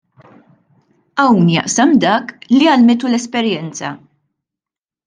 Hawn jaqsam dak li għallmitu l-esperjenza.